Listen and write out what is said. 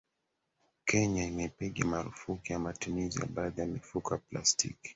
Kenya imepiga marufuku ya matumizi ya baadhi ya mifuko ya plastiki